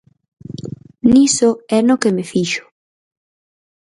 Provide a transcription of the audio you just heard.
Niso é no que me fixo.